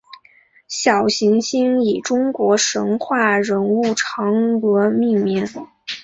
小行星以中国神话人物嫦娥命名。